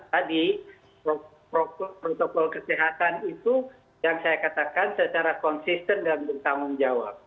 tadi protokol kesehatan itu yang saya katakan secara konsisten dan bertanggung jawab